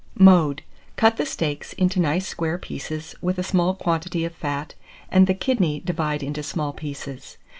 Mode. Cut the steaks into nice square pieces, with a small quantity of fat, and the kidney divide into small pieces.